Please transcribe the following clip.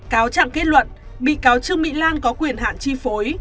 cáo trạng kết luận bị cáo trương mỹ lan có quyền hạn chi phối